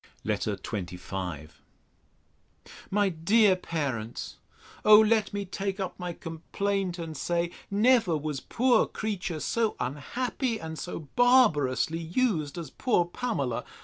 LETTER XXV MY DEAR PARENTS, O let me take up my complaint, and say, Never was poor creature so unhappy, and so barbarously used, as poor Pamela!